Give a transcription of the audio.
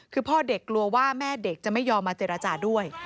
คือพ่อเด็กกลัวว่าแม่เด็กจะไม่ยอมมาเจรจาด้วย